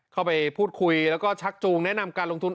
เข้าไปพูดคุยแล้วก็ชักจูงแนะนำการลงทุน